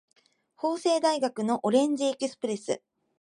法政大学のオレンジエクスプレス